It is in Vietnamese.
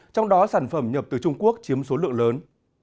trong đó sản phẩm nhập từ trung quốc chiếm số lượng lớn